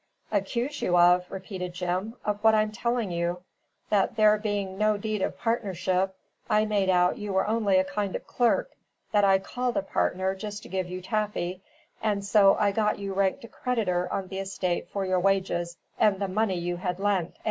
"Accuse you of?" repeated Jim. "Of what I'm telling you. And there being no deed of partnership, I made out you were only a kind of clerk that I called a partner just to give you taffy; and so I got you ranked a creditor on the estate for your wages and the money you had lent.